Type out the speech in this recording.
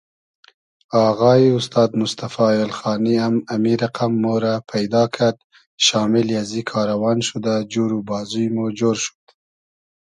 آغایی اوستاد موستئفا اېلخانی ام امی رئقئم مورۂ پݷدا کئد شامیلی ازی کاروان شودۂ جور و بازوی مۉ جۉر شود